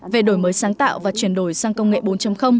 về đổi mới sáng tạo và chuyển đổi sang công nghệ bốn